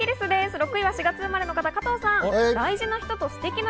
６位は４月生まれの方、加藤さん。